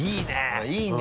いいね！